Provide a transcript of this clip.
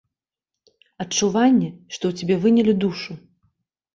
Адчуванне, што ў цябе вынялі душу.